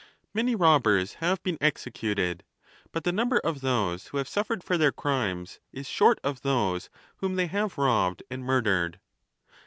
Many robbers have been exe cuted ; but the number of those who have suffered for their crimes is short of those whom they have robbed and murdered.